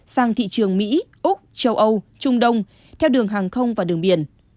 sang thị trường mỹ úc châu âu trung đông theo đường hàng không và đường biển